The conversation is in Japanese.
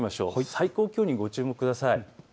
最高気温にご注目ください。